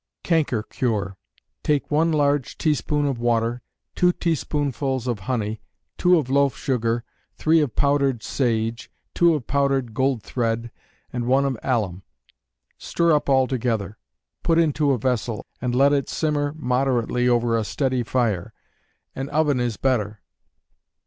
Canker Cure. Take one large teaspoonful of water, two teaspoonfuls of honey, two of loaf sugar, three of powdered sage, two of powdered gold thread, and one of alum. Stir up all together; put into a vessel, and let it simmer moderately over a steady fire. An oven is better.